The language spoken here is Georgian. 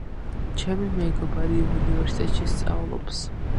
ჩემი მეგობარი უნივერსიტეტში სწავლობს.